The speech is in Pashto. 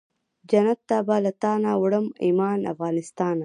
جنت ته به له تانه وړم ایمان افغانستانه